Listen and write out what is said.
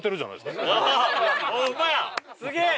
すげえ！